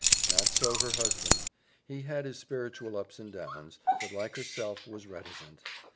Not so her husband. He had his spiritual ups and downs, but, like herself, was reticent.